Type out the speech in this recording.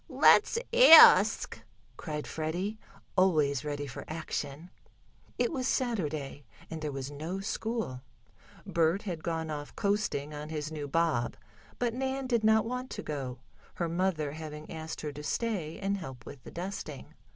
"Let's ask," cried Freddie, always ready for action. It was Saturday, and there was no school. Bert had gone off coasting on his new bob, but Nan did not want to go, her mother having asked her to stay and help with the dusting.